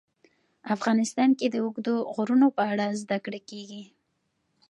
افغانستان کې د اوږده غرونه په اړه زده کړه کېږي.